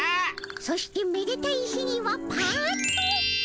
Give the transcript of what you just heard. そしてめでたい日にはパッと。